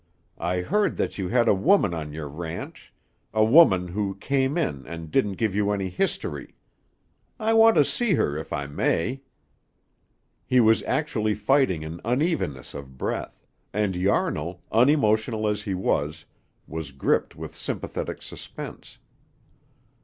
I heard that you had a woman on your ranch, a woman who came in and didn't give you any history. I want to see her if I may." He was actually fighting an unevenness of breath, and Yarnall, unemotional as he was, was gripped with sympathetic suspense.